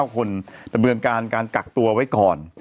๙คนดำเนินการการกักตัวไว้ก่อน